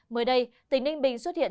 mới đây tỉnh ninh bình xuất hiện